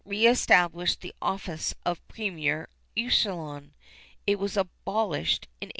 re established the office of premier échanson. It was abolished in 1830.